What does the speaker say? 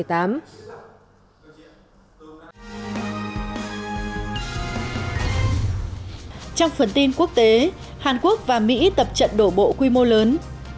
trong phần tin quốc tế hàn quốc và mỹ tập trận đổ bộ quy mô lớn